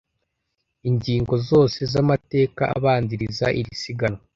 ingingo zose z’amateka abanziriza iri siganwa